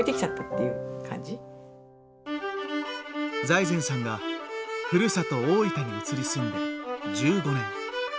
財前さんがふるさと大分に移り住んで１５年。